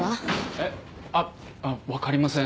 えっ？あっわかりません。